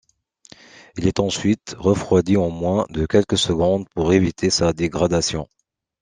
Il est ensuite refroidi en moins de quelques secondes pour éviter sa dégradation.